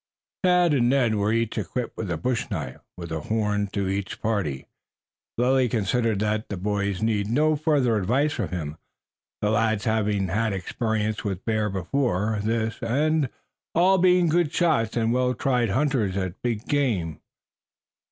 Tad and Ned were each equipped with a bush knife, with a horn to each party. Lilly considered that the boys needed no further advice from him, the lads having had experience with bear before this and all being good shots and well tried hunters at big game.